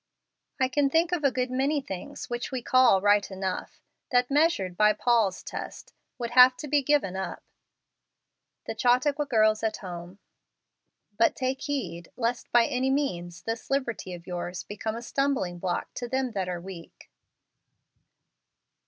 I can think of a good many things which we call right enough, that, measured by Paul's test, would have to be given up. The Chautauqua Girls at Home. But take heed lest by any means this liberty of yours become a stumbling block to them that are weak."